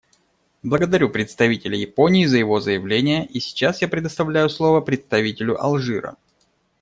Благодарю представителя Японии за его заявление, и сейчас я предоставляю слово представителю Алжира.